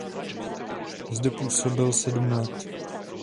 Zde působil sedm let.